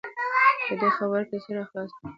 په دې خبره دې سر خلاص کړه .